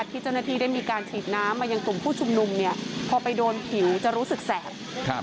ที่เจ้าหน้าที่ได้มีการฉีดน้ำมายังกลุ่มผู้ชุมนุมเนี่ยพอไปโดนผิวจะรู้สึกแสบ